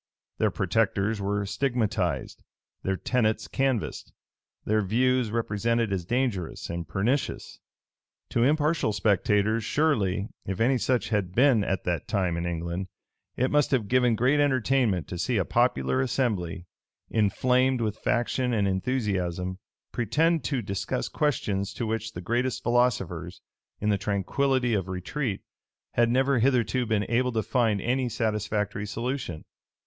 Their protectors were stigmatized; their tenets canvassed; their views represented as dangerous and pernicious. To impartial spectators surely, if any such had been at that time in England, it must have given great entertainment to see a popular assembly, inflamed with faction and enthusiasm, pretend to discuss questions to which the greatest philosophers, in the tranquillity of retreat, had never hitherto been able to find any satisfactory solution.